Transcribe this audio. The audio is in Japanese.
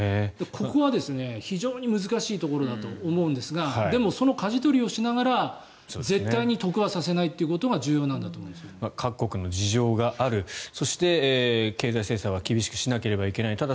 ここは非常に難しいところだと思いますがでもそのかじ取りをしながら絶対に得はさせないということが各国の事情があるそして、経済制裁は厳しくしなければいけない。